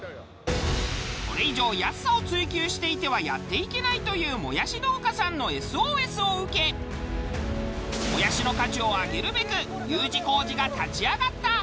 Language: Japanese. これ以上安さを追求していてはやっていけないというもやし農家さんのＳＯＳを受けもやしの価値を上げるべくＵ字工事が立ち上がった！